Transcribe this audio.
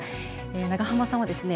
長濱さんはですね